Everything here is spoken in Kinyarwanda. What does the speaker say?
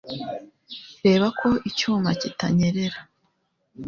Reba ko icyuma kitanyerera